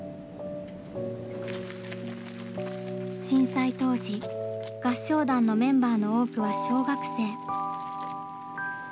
震災当時合唱団のメンバーの多くは小学生。